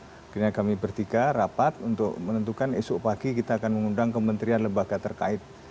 akhirnya kami bertiga rapat untuk menentukan esok pagi kita akan mengundang kementerian lembaga terkait